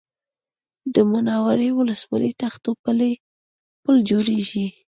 د منورې ولسوالۍ تختو پل جوړېږي